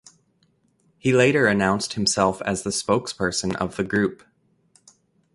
He later announced himself as the spokesperson of the group.